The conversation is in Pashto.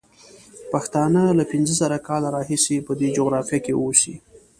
پښتانه له پینځه زره کاله راهیسې په دې جغرافیه کې اوسي.